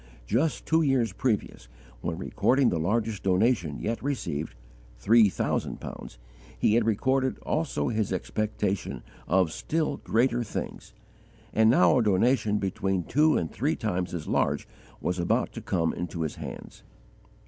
Just two years previous, when recording the largest donation yet received, three thousand pounds, he had recorded also his expectation of still greater things; and now a donation between two and three times as large was about to come into his hands.